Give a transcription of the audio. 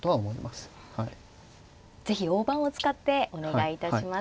是非大盤を使ってお願いいたします。